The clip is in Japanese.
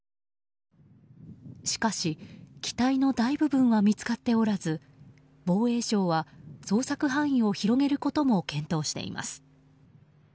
しかし機体の大部分は見つかっておらず防衛省は捜索範囲を広げることも検討しています。